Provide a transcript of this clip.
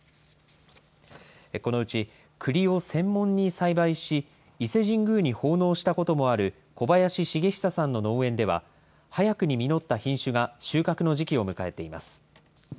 このうち、くりを専門に栽培し、伊勢神宮に奉納したこともある小林茂久さんの農園では、早くに実った品種が収穫の時期を迎えています。